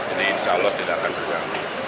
ini insya allah tidak akan terjadi